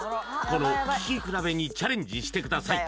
この聴き比べにチャレンジしてください